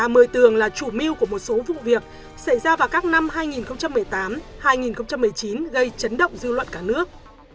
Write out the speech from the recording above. mười tường là chủ mưu của một số vụ việc xảy ra vào các năm hai nghìn một mươi tám hai nghìn một mươi chín gây chấn động dư luận cả nước